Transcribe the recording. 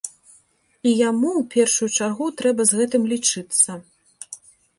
І яму ў першую чаргу трэба з гэтым лічыцца.